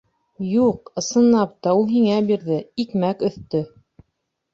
— Юҡ, ысынлап та, ул һиңә бирҙе, икмәк өҫтө.